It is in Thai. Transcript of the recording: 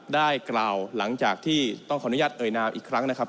ได้กล่าวหลังจากที่ต้องขออนุญาตเอ่ยนามอีกครั้งนะครับ